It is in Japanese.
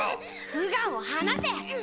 フガンをはなせ！